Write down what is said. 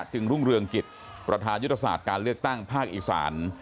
รุ่งเรืองกิจประธานยุทธศาสตร์การเลือกตั้งภาคอีสาน